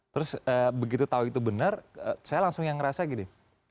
terus begitu tahu itu benar saya langsung yang ngerasa gini